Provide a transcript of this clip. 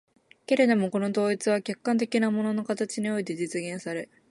けれどもこの統一は客観的な物の形において実現され、